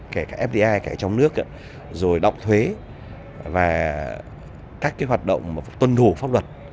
kể cả fdi cả trong nước rồi động thuế và các cái hoạt động tuân thủ pháp luật